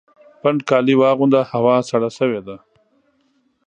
پنډ کالي واغونده ! هوا سړه سوې ده